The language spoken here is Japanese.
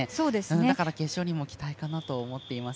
だから決勝にも期待かなと思っています。